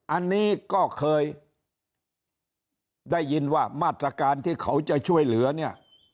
อันนี้ก็เคยได้ยินว่ามาตรการที่เขาจะช่วยเหลือเนี่ย